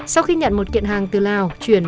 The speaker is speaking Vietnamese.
sau khi nhận một kiện hàng từ lào chuyển về